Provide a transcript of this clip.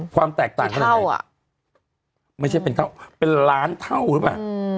ความแตกต่างเท่านั้นไหนไม่ใช่เป็นเท่าเป็นล้านเท่าใช่ป่ะ